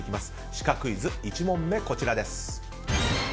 シカクイズ１問目、こちらです。